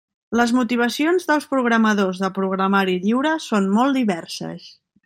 Les motivacions dels programadors de programari lliure són molt diverses.